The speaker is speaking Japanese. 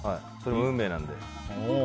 運命なんで。